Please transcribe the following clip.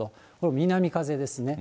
南風ですね。